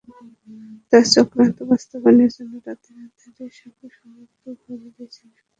তারা চক্রান্ত বাস্তবায়নের জন্য রাতের আঁধারকে সর্বসম্মতভাবে বেছে নেয়।